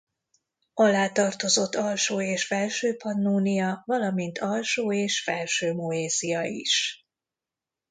Alá tartozott Alsó- és Felső-Pannónia valamint Alsó- és Felső-Moesia is.